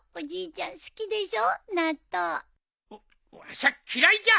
わっわしゃ嫌いじゃ！